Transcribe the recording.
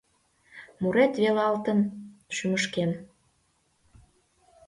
Мурет велалтын шӱмышкем.